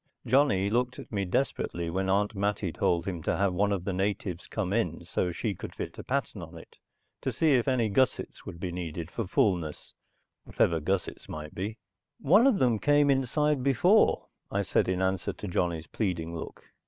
Johnny looked at me desperately when Aunt Mattie told him to have one of the natives come in so she could fit a pattern on it, to see if any gussets would be needed for fullness whatever gussets might be. "One of them came inside before," I said in answer to Johnny's pleading look.